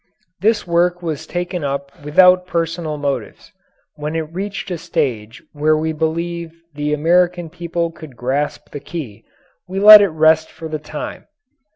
This work was taken up without personal motives. When it reached a stage where we believed the American people could grasp the key, we let it rest for the time.